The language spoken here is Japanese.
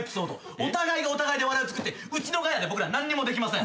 お互いがお互いで笑いをつくって『ウチのガヤ』で僕ら何にもできません。